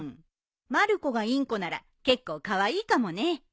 まる子がインコなら結構カワイイかもね。